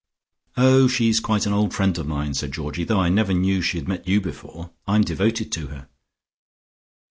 "Oh, she's quite an old friend of mine," said Georgie, "though I never knew she had met you before; I'm devoted to her."